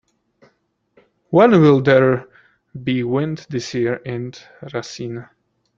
When will there be wind this year in Racine